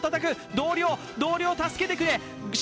同僚、同僚、助けてくれ。